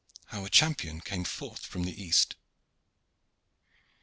HOW A CHAMPION CAME FORTH FROM THE EAST.